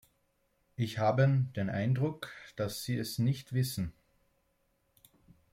Ich haben den Eindruck, dass Sie es nicht wissen.